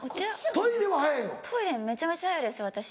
トイレめちゃめちゃ早いです私。